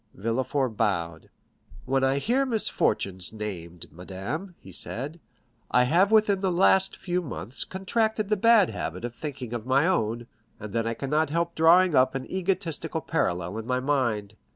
Villefort bowed. "When I hear misfortunes named, madame," he said, "I have within the last few months contracted the bad habit of thinking of my own, and then I cannot help drawing up an egotistical parallel in my mind.